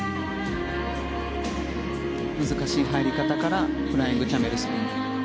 難しい入り方からフライングキャメルスピン。